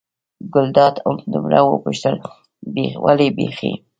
ګلداد همدومره وپوښتل: ولې بېخي.